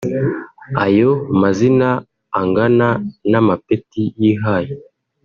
Ayo mazina angana n’amapeti yihaye